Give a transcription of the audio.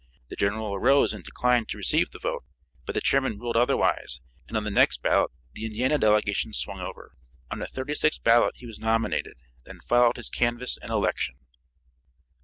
The General arose and declined to receive the vote, but the chairman ruled otherwise, and on the next ballot the Indiana delegation swung over. On the thirty sixth ballot he was nominated. Then followed his canvass and election.